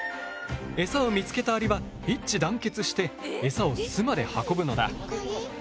エサを見つけたアリは一致団結してエサを巣まで運ぶのだ。